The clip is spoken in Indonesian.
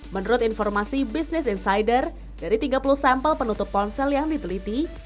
menurut informasi business insider dari tiga puluh sampel penutup ponsel yang diteliti